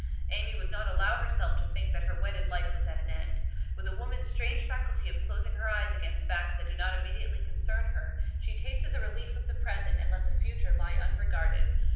Amy would not allow herself to think that her wedded life was at an end. With a woman's strange faculty of closing her eyes against facts that do not immediately concern her, she tasted the relief of the present and let the future lie unregarded.